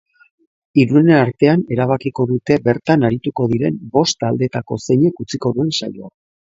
Hiruren artean erabakiko dute bertan arituko diren bost taldeetako zeinek utziko duen saioa.